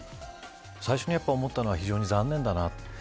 最初に思ったのは非常に残念だな。